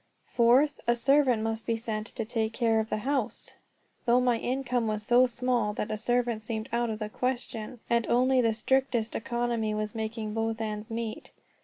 Fourth, a servant must be sent to take care of the house though my income was so small that a servant seemed out of the question, and only the strictest economy was making both ends meet.